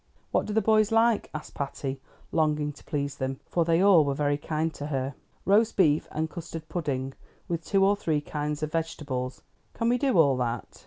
"What do the boys like?" asked Patty, longing to please them, for they all were very kind to her. "Roast beef, and custard pudding, with two or three kinds of vegetables. Can we do all that?"